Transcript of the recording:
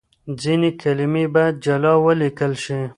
ځينې کلمې بايد جلا وليکل شي.